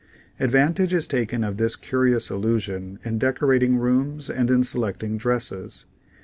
Advantage is taken of this curious illusion in dec orating rooms and in selecting dresses.